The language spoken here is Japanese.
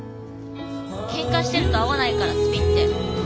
けんかしていると合わないからスピンって。